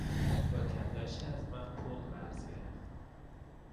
با کلاشی از من پول قرض گرفت.